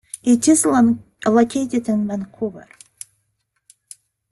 It is located in Vancouver.